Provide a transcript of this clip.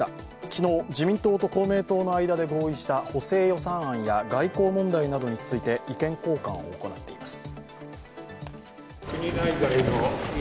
昨日、自民党と公明党の間で合意した補正予算案や外交問題について意見交換を行っています。